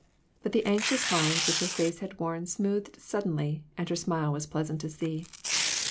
But the anx ious lines which her face had worn smoothed sud denly, and her smile was pleasant to see.